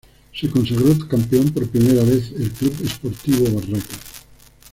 Se consagró campeón por primera vez el Club Sportivo Barracas.